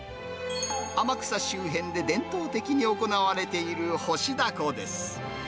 天草周辺で伝統的に行われている干しダコです。